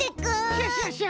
クシャシャシャ！